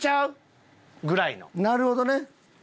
なるほどね。